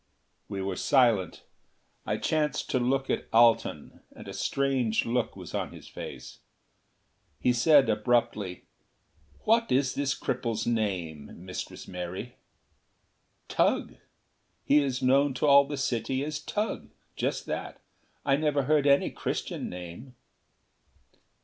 We were silent. I chanced to glance at Alten, and a strange look was on his face. He said abruptly, "What is this cripple's name, Mistress Mary?" "Tugh. He is known to all the city as Tugh. Just that. I never heard any Christian name."